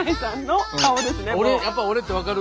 やっぱ俺ってわかる？